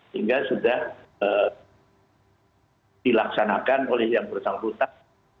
hingga sudah dilaksanakan oleh yang bersangkutan